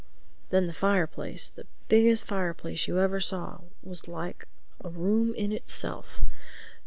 Then the fireplace—the biggest fireplace you ever saw—was like a room in itself.